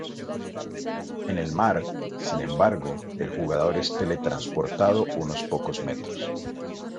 En el mar, sin embargo, el jugador es teletransportado unos pocos metros.